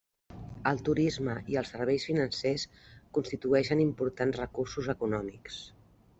El turisme i els serveis financers constitueixen importants recursos econòmics.